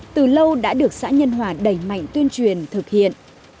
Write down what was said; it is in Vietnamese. từ lâu đã được xã nhân hòa đẩy mạnh tuyên truyền thực hiện